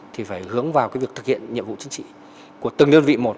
thì phải hướng vào cái việc thực hiện nhiệm vụ chính trị của từng đơn vị một